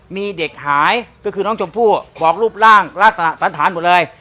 มีเด็กหายก็คือน้องชมพู่บอกรูปร่างลักษณะสันธารหมดเลย